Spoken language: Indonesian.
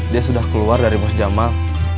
dia sudah keluar dari mus jamal